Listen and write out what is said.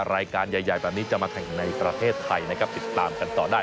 รายการใหญ่แบบนี้จะมาแข่งในประเทศไทยนะครับติดตามกันต่อได้